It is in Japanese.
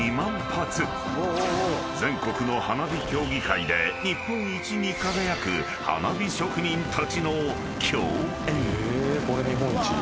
［全国の花火競技会で日本一に輝く花火職人たちの共演］